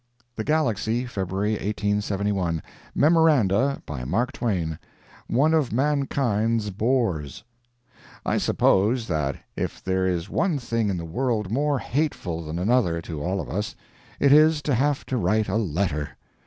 THE GALAXY, February 1871 MEMORANDA. BY MARK TWAIN. ONE OF MANKIND'S BORES. I suppose that if there is one thing in the world more hateful than another to all of us, it is to have to write a letter.